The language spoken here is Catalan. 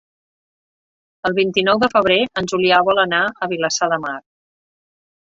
El vint-i-nou de febrer en Julià vol anar a Vilassar de Mar.